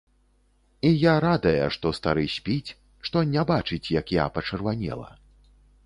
І я радая, што стары спіць, што не бачыць, як я пачырванела.